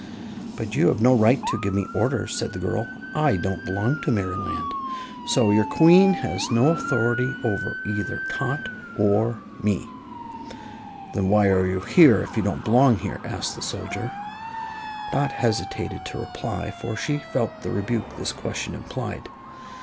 "But you have no right to give me orders," said the girl. "I don't belong to Merryland, so your Queen has no authority over either Tot or me." "Then why are you here, if you don't belong here?" asked the soldier. Dot hesitated to reply, for she felt the rebuke this question implied.